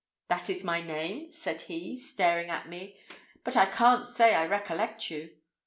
'That is my name,' said he, staring at me, 'but I can't say I recollect you.